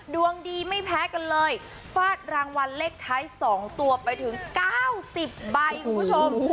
ดวงดีไม่แพ้กันเลยฟาดรางวัลเลขท้าย๒ตัวไปถึง๙๐ใบคุณผู้ชม